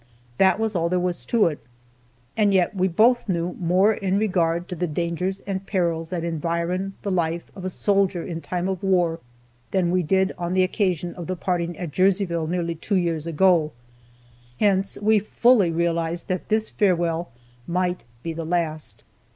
That was all there was to it. And yet we both knew more in regard to the dangers and perils that environ the life of a soldier in time of war than we did on the occasion of the parting at Jerseyville nearly two years ago hence we fully realized that this farewell might be the last.